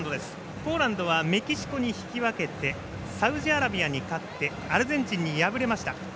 ポーランドはメキシコに引き分けてサウジアラビアに勝ってアルゼンチンに敗れました。